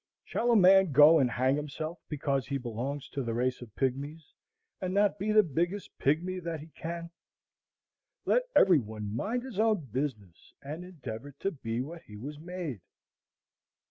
Shall a man go and hang himself because he belongs to the race of pygmies, and not be the biggest pygmy that he can? Let every one mind his own business, and endeavor to be what he was made.